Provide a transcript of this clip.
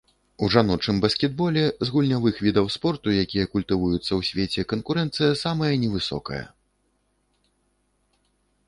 У жаночым баскетболе, з гульнявых відаў спорту, якія культывуюцца ў свеце, канкурэнцыя самая невысокая.